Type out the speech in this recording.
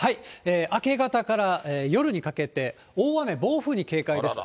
明け方から夜にかけて、大雨、暴風に警戒です。